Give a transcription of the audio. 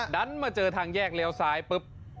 ดันมาเจอทางแยกเลี้ยวซ้ายปุ๊บ